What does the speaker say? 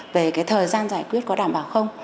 về cái thời gian giải quyết có đảm bảo không